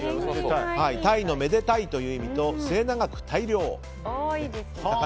タイのめでたいという意味と末永く大漁。